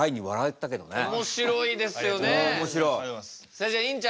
それじゃあ院長